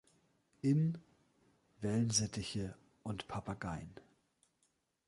In: Wellensittiche und Papageien.